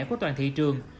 của toàn thị trường